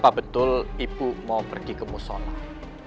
apa betul ibu mau pergi ke musola